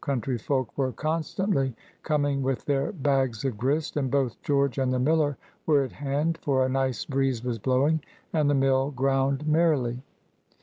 Country folk were constantly coming with their bags of grist, and both George and the miller were at hand, for a nice breeze was blowing, and the mill ground merrily.